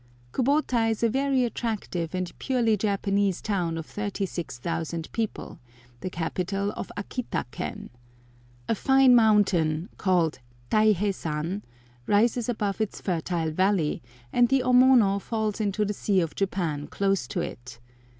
Kubota is a very attractive and purely Japanese town of 36,000 people, the capital of Akita ken. A fine mountain, called Taiheisan, rises above its fertile valley, and the Omono falls into the Sea of Japan close to it.